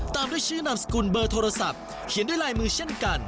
ตามด้วยชื่อนามสกุลเบอร์โทรศัพท์เขียนด้วยลายมือเช่นกัน